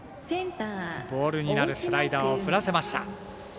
ボールになるスライダーを振らせました。